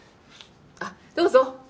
あっどうぞ。